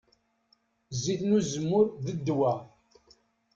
Zzit n uzemmur, d ddwa.